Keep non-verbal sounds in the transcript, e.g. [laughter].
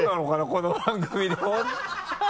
この番組で [laughs]